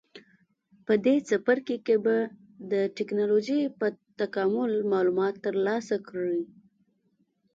په دې څپرکي کې به د ټېکنالوجۍ په تکامل معلومات ترلاسه کړئ.